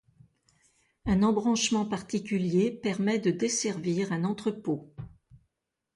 Un embranchement particulier permet de desservir un entrepôt.